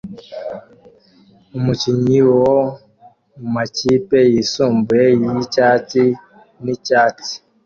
Umukinnyi wo mumakipe yisumbuye yicyatsi nicyatsi